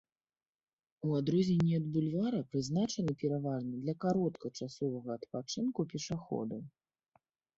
У адрозненне ад бульвара прызначаны пераважна для кароткачасовага адпачынку пешаходаў.